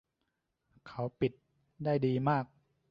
เขาปิดได้ดีมาก